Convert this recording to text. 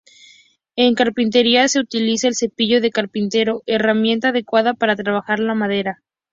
En carpintería se utiliza el cepillo de carpintero, herramienta adecuada para trabajar la madera.